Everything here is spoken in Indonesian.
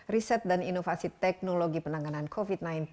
riset dan inovasi teknologi penanganan covid sembilan belas